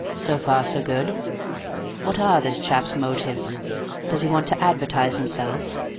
So far so good. What are this chap's motives? Does he want to advertise himself?